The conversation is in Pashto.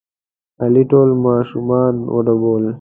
علي ټول ماشومان وډبول.